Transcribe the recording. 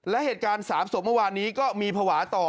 และเหตุการณ์๓ศพเมื่อวานนี้ก็มีภาวะต่อ